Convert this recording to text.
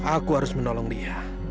aku harus menolong lia